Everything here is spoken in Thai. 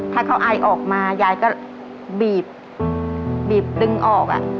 ถ้าเขาอายออกมายายก็บีบบีบดึงออกอะ